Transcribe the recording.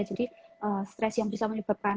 jadi stres yang bisa menyebabkan